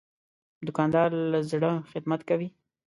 دوکاندار له زړه خدمت کوي.